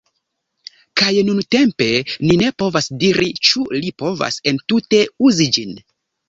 Kaj nuntempe ni ne povas diri ĉu li povas entute uzi ĝin